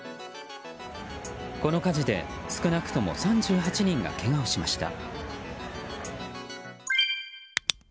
この火事で少なくとも３８人がけがをしました。